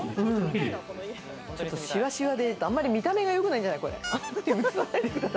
ちょっとしわしわで、あんまり見た目が良くないんじゃない？